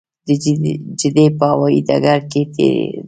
د جدې په هوايي ډګر کې تړي.